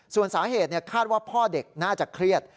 ส่วนสาเหตุคาดว่าพ่อเด็กน่าจะเครียด